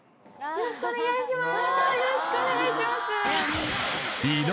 よろしくお願いします。